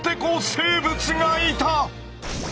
生物がいた！